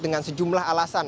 dengan sejumlah alasan